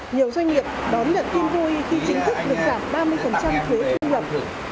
nhiều doanh nghiệp đón nhận tin vui khi chính thức được giảm ba mươi thuế thu nhập